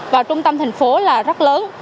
và trung tâm thành phố là rất lớn